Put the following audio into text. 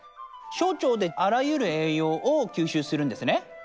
小腸であらゆるえいようを吸収するんですね。